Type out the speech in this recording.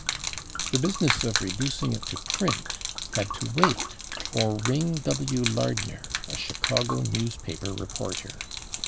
The business of reducing it to print had to wait for Ring W. Lardner, a Chicago newspaper reporter.